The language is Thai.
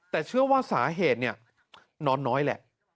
แต่เชื่อว่าสาเหตุเนี่ยนอนน้อยแหละ